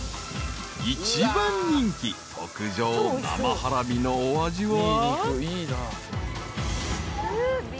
［一番人気特上生ハラミのお味は］